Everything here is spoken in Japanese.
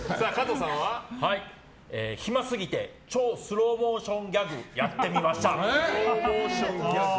暇すぎて超スローモーションギャグやってみました。